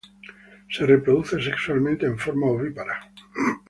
Se reproduce sexualmente en forma ovípara.